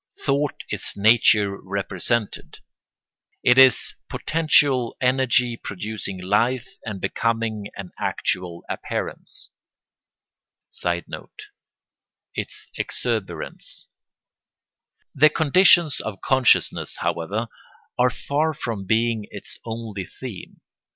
Thought is nature represented; it is potential energy producing life and becoming an actual appearance. [Sidenote: Its exuberance.] The conditions of consciousness, however, are far from being its only theme.